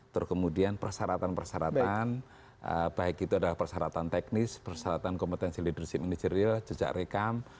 terus kemudian persyaratan persyaratan baik itu adalah persyaratan teknis persyaratan kompetensi leadership manajerial jejak rekam